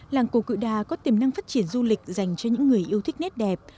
làng cổ cự đà có tiềm năng phát triển du lịch dành cho những người yêu thích nét đẹp